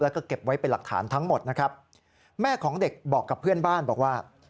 แล้วก็เก็บไว้เป็นหลักฐานทั้งหมดนะครับแม่ของเด็กบอกกับเพื่อนบ้านบอกว่า